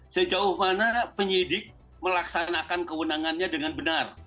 sejauh mana penyidik melaksanakan kewenangannya dengan benar